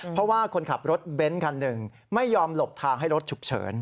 เพราะว่าคนขับรถเบนท์คันหนึ่งไม่ยอมหลบทางให้รถฉุกเฉิน